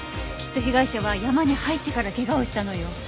きっと被害者は山に入ってから怪我をしたのよ。